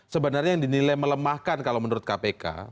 sebenarnya yang dinilai melemahkan kalau menurut kpk